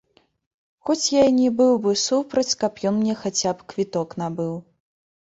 Хоць я і не быў бы супраць, каб ён мне хаця б квіток набыў.